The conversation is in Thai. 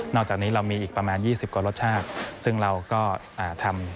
จากนี้เรามีอีกประมาณ๒๐กว่ารสชาติซึ่งเราก็ทำ